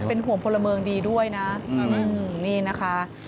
เป็นห่วงพลเมืองดีด้วยนะนี่นะคะ